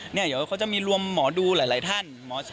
เดี๋ยวเขาจะมีรวมหมอดูหลายท่าน